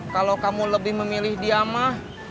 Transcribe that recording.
kalau kamu lebih memilih diamah